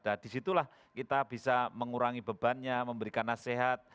dan di situlah kita bisa mengurangi bebannya memberikan nasihat